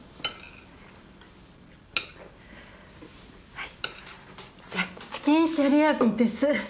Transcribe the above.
はいチキンシャリアピンです。